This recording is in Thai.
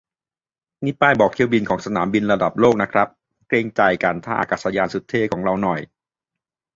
นี่ป้ายบอกเที่ยวบินของสนามบินระดับโลกนะครับ เกรงใจการท่าอากาศยานสุดเท่ของเราหน่อย